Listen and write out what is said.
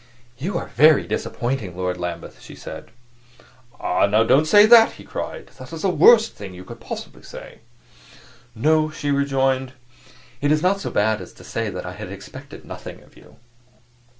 "You are very disappointing, Lord Lambeth," she said. "Ah, now don't say that," he cried. "That's the worst thing you could possibly say." "No," she rejoined, "it is not so bad as to say that I had expected nothing of you."